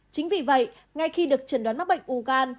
chính vì vậy ngay khi được trần đoán mắc bệnh u gan